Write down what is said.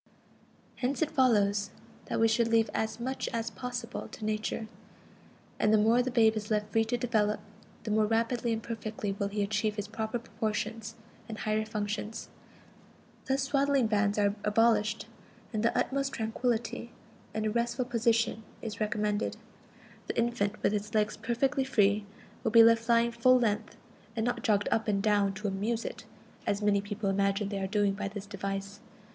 Hence it follows that we should leave as much as possible to Nature; and the more the babe is left free to develop, the more rapidly and perfectly will he achieve his proper proportions and higher functions. Thus swaddling bands are abolished, and the "utmost tranquillity in a restful position" is recommended. The infant, with its legs perfectly free, will be left lying full length, and not jogged up and down to "amuse" it, as many persons imagine they are doing by this device.